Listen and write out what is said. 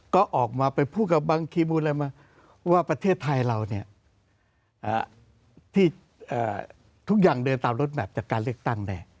ก็ออกมาพูดกับบังคีมูลมาว่าประเทศไทยทุกอย่างโดยทำแบบที่การเรียกตั้ง